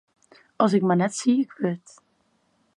As ik mar net siik wurd!